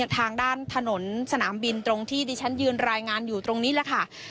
ทางด้านถนนสนามบินตรงที่ดิฉันยืนรายงานอยู่ตรงนี้แหละค่ะ